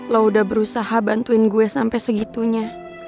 lo udah berusaha bantuin gue sampai segitunya